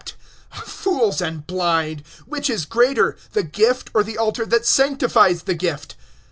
(19)Fools and blind; for which is greater, the gift, or the altar that sanctifies the gift?